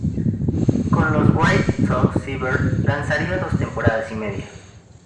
Con los White Sox, Seaver lanzaría dos temporadas y media.